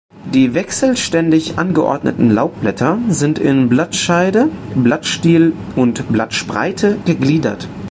Die wechselständig angeordneten Laubblätter sind in Blattscheide, Blattstiel und Blattspreite gegliedert.